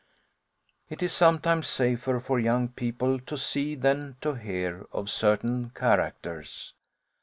It is sometimes safer for young people to see than to hear of certain characters.